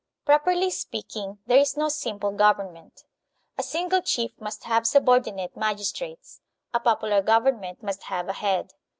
Properly speaking, there is no simple government. A single chief must have subordinate magistrates; a popular government must have a head.